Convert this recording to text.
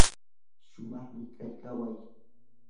shumaqmi kay kaway.